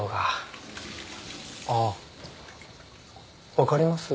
分かります？